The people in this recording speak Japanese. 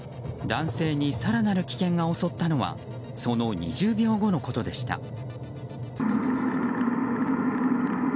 男性に更なる危険が襲ったのはその２０秒後のことでした。